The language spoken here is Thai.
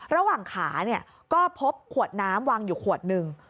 ระหว่างขาก็พบขวดน้ำวางอยู่ขวดหนึ่ง